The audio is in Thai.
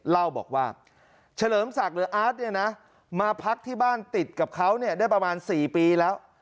เล่าบอกว่าเฉลิมศักดิ์หรืออาร์ตเนี่ยนะมาพักที่บ้านติดกับเขาเนี่ยได้ประมาณ๔ปีแล้ว